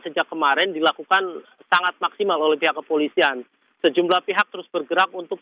sejak kemarin dilakukan sangat maksimal oleh pihak kepolisian sejumlah pihak terus bergerak untuk